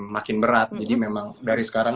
makin berat jadi memang dari sekarang